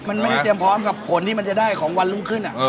มันไม่ได้เตรียมพร้อมกับผลที่มันจะได้ของวันรุ่งขึ้น